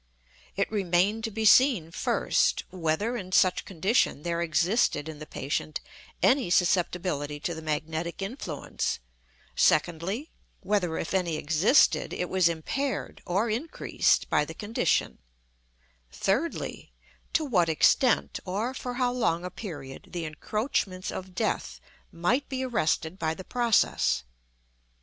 It remained to be seen, first, whether, in such condition, there existed in the patient any susceptibility to the magnetic influence; secondly, whether, if any existed, it was impaired or increased by the condition; thirdly, to what extent, or for how long a period, the encroachments of Death might be arrested by the process.